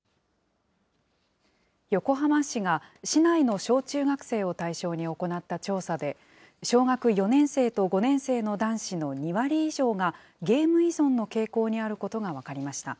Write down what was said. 横浜市が市内の小中学生を対象に行った調査で、小学４年生と５年生の男子の２割以上が、ゲーム依存の傾向にあることが分かりました。